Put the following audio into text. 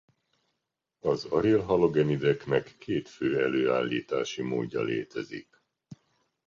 Az aril-halogenideknek két fő előállítási módja létezik.